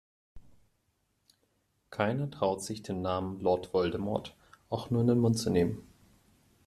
Keiner traut sich, den Namen Lord Voldemort auch nur in den Mund zu nehmen.